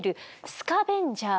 スカベンジャー？